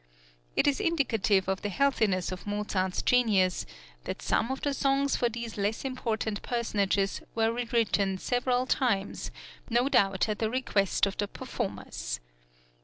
" It is indicative of the healthiness of Mozart's genius that some of the songs for these less important personages were rewritten several times, no doubt at the request of the performers.